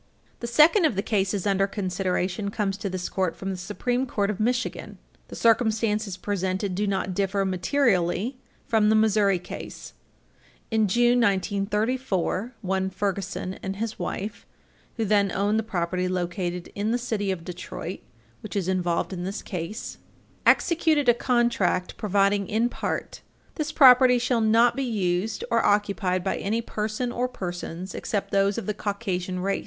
The second of the cases under consideration comes to this Court from the Supreme Court of Michigan. The circumstances presented do not differ materially from the Missouri case. In June, 1934, one Ferguson and his wife, who then owned the property located in the city of Detroit which is involved in this case, executed a contract providing in part: "This property shall not be used or occupied by any person or persons except those of the Caucasian race.